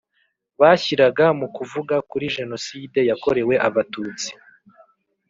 bashyiraga mu kuvuga kuri jenoside yakorewe abatutsi